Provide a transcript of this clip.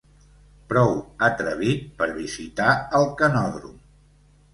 Prou atrevit per visitar el canòdrom.